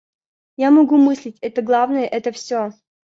Я могу мыслить — это главное, это все.